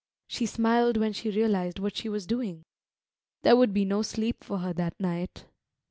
She smiled when she realised what she was doing; there would be no sleep for her that night.